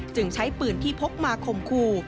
จึงใช้ปืนที่พกมาคมคู่